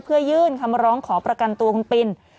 เพื่อยื่นคำร้องขอประกันตัวคุณปิน